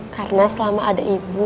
karena selama ada ibu